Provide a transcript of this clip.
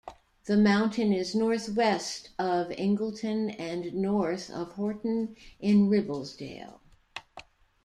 The mountain is north west of Ingleton and north of Horton-in-Ribblesdale.